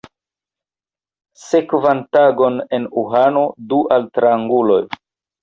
Sekvan tagon en Uhano du altranguloj.